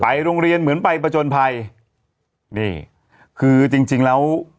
โรงเรียนเหมือนไปประจนภัยนี่คือจริงจริงแล้ว